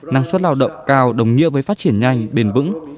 năng suất lao động cao đồng nghĩa với phát triển nhanh bền vững